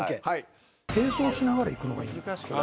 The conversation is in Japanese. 並走しながらいくのがいいのか？